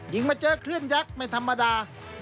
มาเจอคลื่นยักษ์ไม่ธรรมดา